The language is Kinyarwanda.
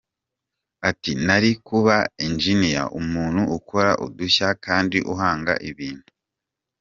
Ati: “Nari kuba engineer, umuntu ukora udushya kandi uhanga ibintu.”